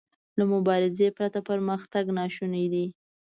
له مبارزې پرته پرمختګ ناشونی دی.